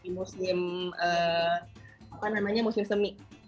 di musim apa namanya musim semi